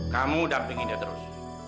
kamu dampingin dia terus